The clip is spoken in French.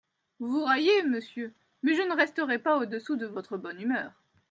Vous raillez, monsieur ; mais je ne resterai pas au-dessous de votre bonne humeur.